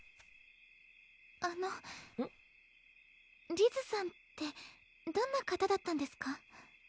リズさんってどんな方だったんですか？